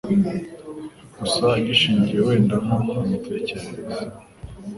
gusa gishingiye wenda nko ku mitekerereze